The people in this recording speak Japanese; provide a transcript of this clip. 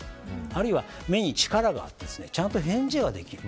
あるいは目に力があってちゃんと返事ができる。